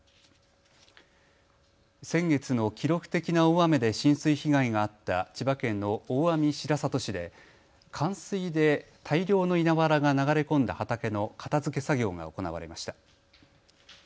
先月の記録的な大雨で浸水被害があった千葉県の大網白里市で冠水で大量の稲わらが流れ込んだ畑の片づけ作業が行われました。